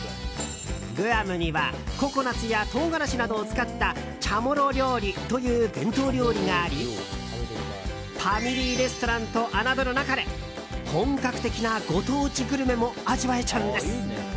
グアムには、ココナツやトウガラシなどを使ったチャモロ料理という伝統料理がありファミリーレストランと侮るなかれ本格的なご当地グルメも味わえちゃうんです。